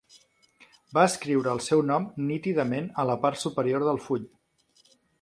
Va escriure el seu nom nítidament a la part superior del full.